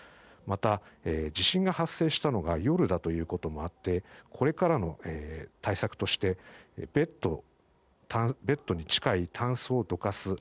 また、地震が発生したのが夜だということもあってこれからの対策としてベッドに近いタンスをどかす。